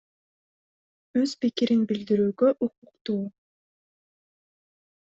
Өз пикирин билдирүүгө укуктуу.